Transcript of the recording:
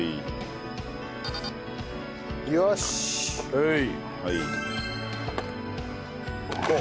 はい。